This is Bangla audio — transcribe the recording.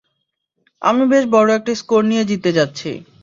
আমি বেশ বড় একটা স্কোর নিয়ে জিততে যাচ্ছি!